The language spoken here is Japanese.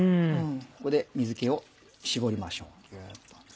ここで水気を絞りましょうギュっと。